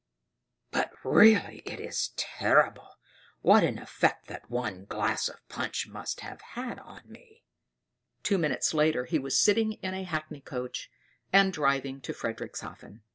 But really it is terrible what an effect that one glass of punch must have had on me!" Two minutes later, he was sitting in a hackney coach and driving to Frederickshafen.